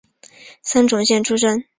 三重县出身。